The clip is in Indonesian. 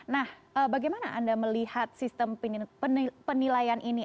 nah bagaimana anda melihat sistem penilaian ini